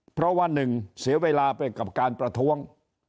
เพราะว่าหนึ่งเสียเวลาไปกับการประท้วง